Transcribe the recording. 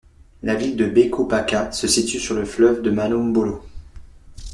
La ville de Bekopaka se situe sur le fleuve Manombolo.